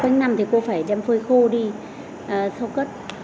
cuối năm thì cô phải đem phơi khô đi sau cất